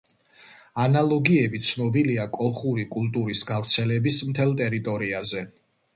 ანალოგიები ცნობილია კოლხური კულტურის გავრცელების მთელ ტერიტორიაზე.